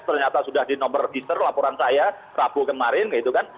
ternyata sudah di nomor register laporan saya rabu kemarin gitu kan